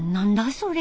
それ。